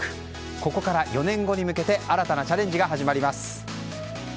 ここから４年後に向けて新たなチャレンジが始まります。